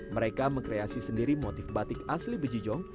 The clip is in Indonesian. mereka mengkreasi sendiri motif batik asli bejijong